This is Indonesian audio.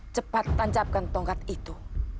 cepat tancapkan tongkat itu